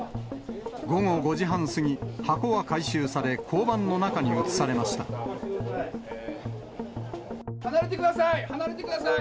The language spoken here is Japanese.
午後５時半過ぎ、箱は回収され、離れてください、離れてください。